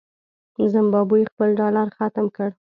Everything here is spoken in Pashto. زمبابوې خپل ډالر ختم کړ.